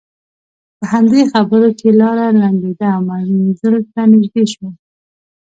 په همدې خبرو کې لاره لنډېده او منزل ته نژدې شول.